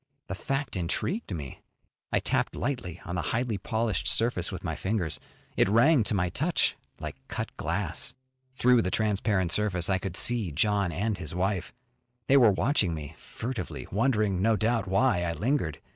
The fact intrigued me. I tapped lightly on the highly polished surface with my fingers. It rang to my touch like cut glass. Through the transparent surface I could see John and his wife. They were watching me furtively, wondering, no doubt, why I lingered.